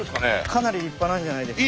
かなり立派なんじゃないですか。